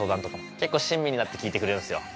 結構親身になって聞いてくれるんですよ。